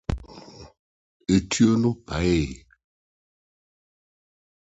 ɛtua no paee yɛ